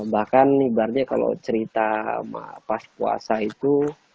bahkan ibaratnya kalau cerita pas puasa itu